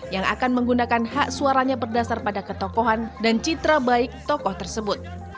yang akan menggunakan hak suaranya berdasar pada ketokohan dan citra baik tokoh tersebut